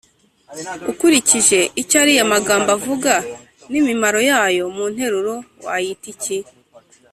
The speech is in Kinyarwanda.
ukurikije icyo ariya magambo avuga n’imimaro yayo mu nteruro wayita iki?